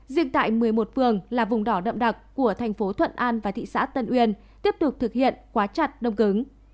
riêng tại một mươi một phường là vùng đỏ đậm đặc của thành phố thuận an và thị xã tân uyên tiếp tục thực hiện quá chặt đông cứng